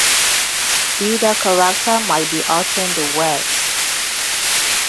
Either character might be uttering the words.